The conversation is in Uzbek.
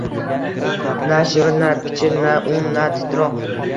Na shivir, na pichir, na un, na titroq —